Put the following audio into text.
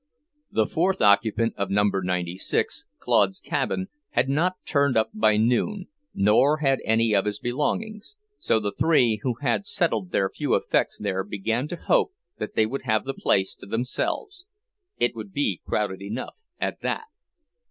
The fourth occupant of number 96, Claude's cabin, had not turned up by noon, nor had any of his belongings, so the three who had settled their few effects there began to hope they would have the place to themselves. It would be crowded enough, at that.